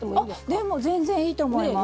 全然いいと思います。